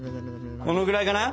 このぐらいかな？